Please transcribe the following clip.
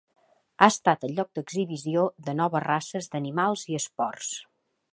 Ha estat el lloc d'exhibició de noves races d'animals i esports.